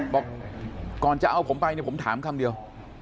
บอกก่อนจะเอาผมไปเนี่ยผมถามคำเดียว